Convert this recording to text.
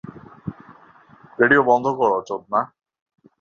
Radio বন্ধ করো, চোদনা!